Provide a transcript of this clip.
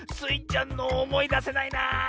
ちゃんのおもいだせないなあ。